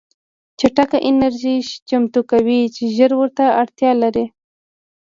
چټکه انرژي چمتو کوي چې ژر ورته اړتیا لري